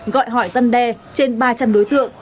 gọi hỏi dân đe trên ba trăm linh đối tượng